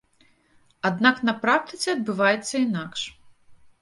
Аднак на практыцы адбываецца інакш.